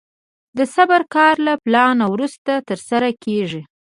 د صبر کار له پلان وروسته ترسره کېږي.